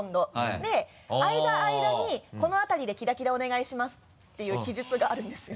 であいだあいだに「このあたりでキラキラお願いします」っていう記述があるんですよ。